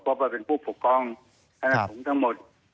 เพราะว่าเป็นผู้ปกครองพระสมทั้งหมด